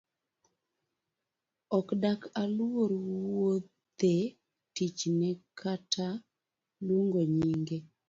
Ok dak aluor wuoth’e tichne kata luongo nyinge?